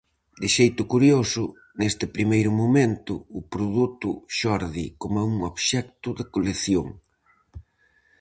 De xeito curioso, neste primeiro momento, o produto xorde coma un obxecto de colección.